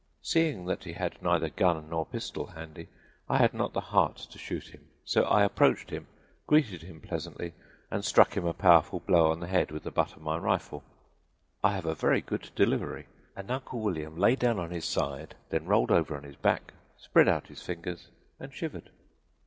Seeing that he had neither gun nor pistol handy I had not the heart to shoot him, so I approached him, greeted him pleasantly and struck him a powerful blow on the head with the butt of my rifle. I have a very good delivery and Uncle William lay down on his side, then rolled over on his back, spread out his fingers and shivered.